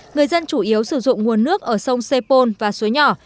người dân chủ yếu sử dụng nguồn nước ở sông sê pôn và suối nhỏ